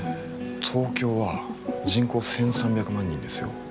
東京は人口１３００万人ですよ？